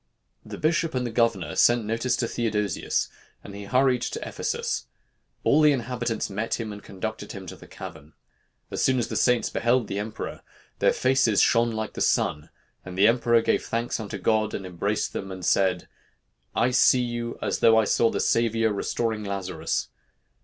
The bishop and the governor sent notice to Theodosius, and he hurried to Ephesus. All the inhabitants met him and conducted him to the cavern. As soon as the saints beheld the emperor, their faces shone like the sun, and the emperor gave thanks unto God, and embraced them, and said, 'I see you, as though I saw the Savior restoring Lazarus.'